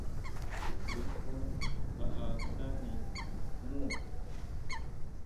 Ngutjun jaʼásani nú.